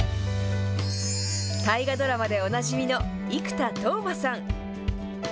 大河ドラマでおなじみの生田斗真さん。